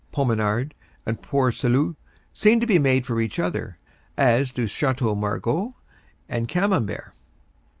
Pommard and Port Salut seem to be made for each other, as do Château Margaux and Camembert.